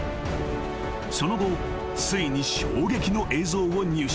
［その後ついに衝撃の映像を入手］